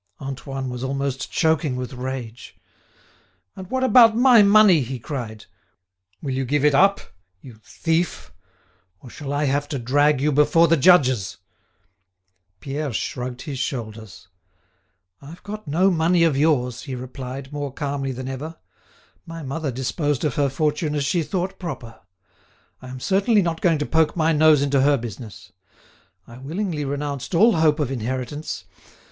Antoine was almost choking with rage. "And what about my money," he cried; "will you give it up, you thief, or shall I have to drag you before the judges?" Pierre shrugged his shoulders. "I've got no money of yours," he replied, more calmly than ever. "My mother disposed of her fortune as she thought proper. I am certainly not going to poke my nose into her business. I willingly renounced all hope of inheritance.